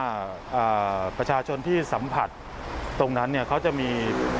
อ่าประชาชนที่สัมผัสตรงนั้นเนี่ยเขาจะมี